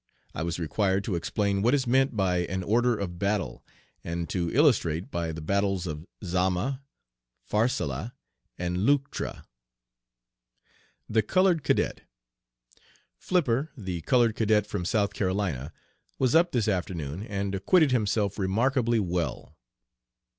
I was required to explain what is meant by an "order of battle," and to illustrate by the battles of Zama, Pharsalia, and Leuctra. THE COLORED CADET. "Flipper, the colored cadet from South Carolina, was up this afternoon and acquitted himself remarkably well.